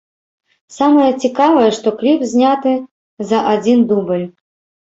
Самае цікавае, што кліп зняты за адзін дубль.